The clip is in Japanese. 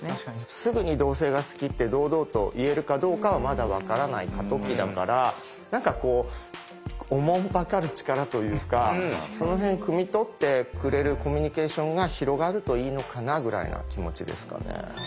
すぐに同性が好きって堂々と言えるかどうかはまだ分からない過渡期だから何かこうおもんぱかる力というかその辺くみ取ってくれるコミュニケーションが広がるといいのかなぐらいな気持ちですかね。